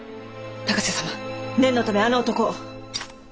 高瀬様念のためあの男を！